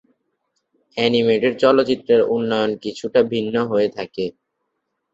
Animated চলচ্চিত্রের উন্নয়ন কিছুটা ভিন্ন হয়ে থাকে।